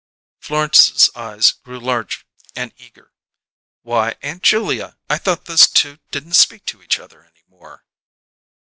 Florence's eyes grew large and eager. "Why, Aunt Julia, I thought those two didn't speak to each other any more!"